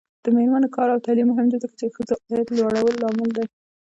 د میرمنو کار او تعلیم مهم دی ځکه چې ښځو عاید لوړولو لامل دی.